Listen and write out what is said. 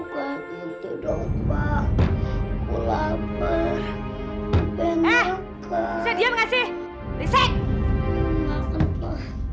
kasian banget coba